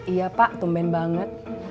iya pak tumben banget